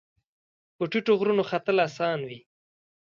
په ټیټو غرونو ختل اسان وي